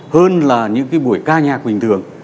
hơn là những cái buổi ca nhạc bình thường